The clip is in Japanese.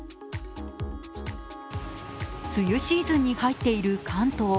梅雨シーズンに入っている関東。